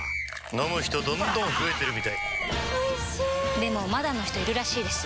飲む人どんどん増えてるみたいおいしでもまだの人いるらしいですよ